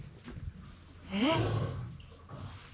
えっ！？